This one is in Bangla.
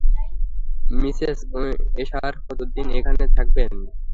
মিসেস এশার কতদিন এখানে থাকবেন?